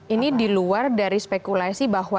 ini diluar dari spekulasi bahwa